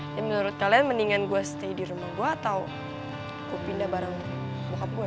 ya menurut kalian mendingan gua stay di rumah gua atau gua pindah bareng bokap gua ya